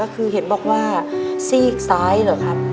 คือเห็นบอกว่าซีกซ้ายเหรอครับ